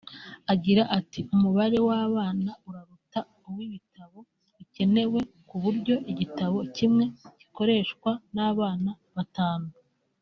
Agira ati “Umubare w’abana uraruta uw’ibitabo bikenewe ku buryo igitabo kimwe gikoreshwa n’abana batanu